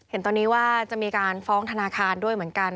เห็นตอนนี้ว่าจะมีการฟ้องธนาคารด้วยเหมือนกัน